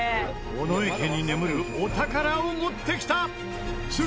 尾上家に眠るお宝を持ってきた！